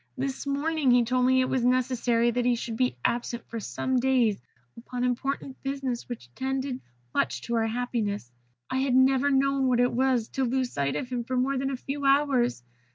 This morning he told me that it was necessary that he should be absent for some days upon important business which tended much to our happiness. I had never known what it was to lose sight of him for more than a few hours.